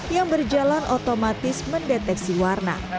yang berjalan otomatis mendeteksi warna